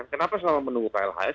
kenapa selalu menunggu klhs